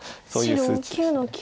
白９の九。